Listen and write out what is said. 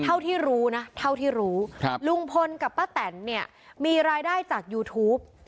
เท่าที่รู้นะเท่าที่รู้ลุงพลกับป้าแตนเนี่ยมีรายได้จากยูทูป